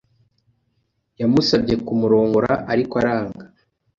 Yamusabye kumurongora, ariko aranga.